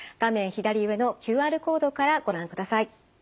左上のＱＲコードからご覧ください。